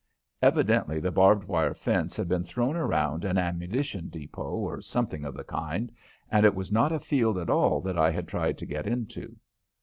Evidently the barbed wire fence had been thrown around an ammunition depot or something of the kind and it was not a field at all that I had tried to get into.